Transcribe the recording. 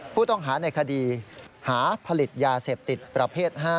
ผู้ต้องหาในคดีหาผลิตยาเสพติดประเภท๕